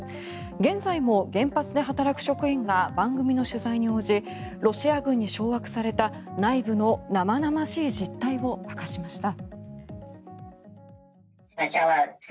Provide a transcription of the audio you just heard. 現在も原発で働く職員が番組の取材に応じロシア軍に掌握された内部の生々しい実態を明かしました。